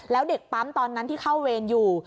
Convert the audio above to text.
แล้วเด็กปั๊มตอนนั้นที่เข้าเวรอยู่